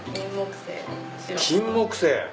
キンモクセイ。